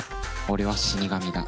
俺は死神だ。